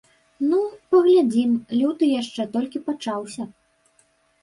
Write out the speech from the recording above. Ну, паглядзім, люты яшчэ толькі пачаўся.